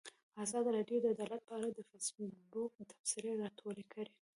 ازادي راډیو د عدالت په اړه د فیسبوک تبصرې راټولې کړي.